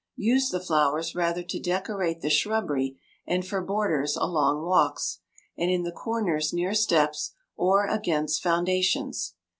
Use the flowers rather to decorate the shrubbery, and for borders along walks, and in the corners near steps, or against foundations.